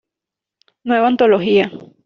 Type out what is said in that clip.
Nueva antología.